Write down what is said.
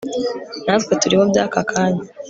na twe turiho by'aka kanya